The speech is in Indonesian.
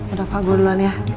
udah fah gue duluan ya